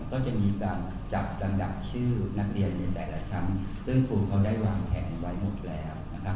ก็จะมีการจัดลำดับชื่อนักเรียนในแต่ละชั้นซึ่งครูเขาได้วางแผนไว้หมดแล้วนะครับ